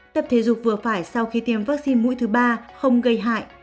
tập thể dục vừa phải sau khi tiêm vaccine mũi thứ ba không gây hại